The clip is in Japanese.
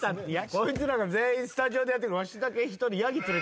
こいつらが全員スタジオでやってる。